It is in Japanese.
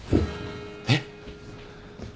えっ？